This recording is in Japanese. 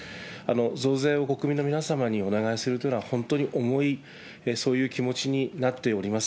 増税を国民の皆様にお願いするというのは本当に重い、そういう気持ちになっております。